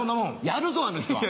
やるぞあの人は。